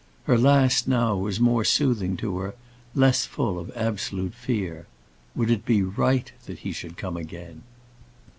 Her last now was more soothing to her, less full of absolute fear: Would it be right that he should come again?